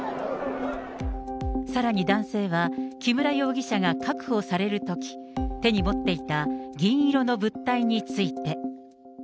さらに男性は木村容疑者が確保されるとき、手に持っていた銀色の物体について。